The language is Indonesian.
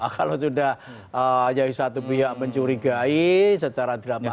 kalau sudah dari satu pihak mencurigai secara dramatis